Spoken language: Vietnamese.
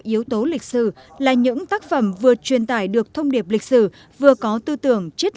yếu tố lịch sử là những tác phẩm vừa truyền tải được thông điệp lịch sử vừa có tư tưởng chất